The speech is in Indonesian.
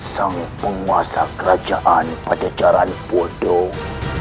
sang penguasa kerajaan pada jalan bodoh